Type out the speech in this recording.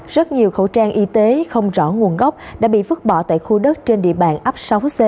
rất nhiều khẩu trang y tế không rõ nguồn gốc đã bị vứt bỏ tại khu đất trên địa bàn ấp sáu c